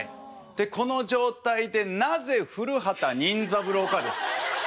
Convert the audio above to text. でこの状態でなぜ古畑任三郎かです。